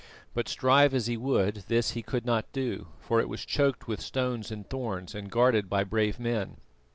But, strive as he would, this he could not do, for it was choked with stones and thorns and guarded by brave men.